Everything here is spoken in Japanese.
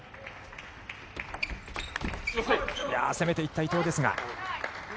攻めていった伊藤ですが。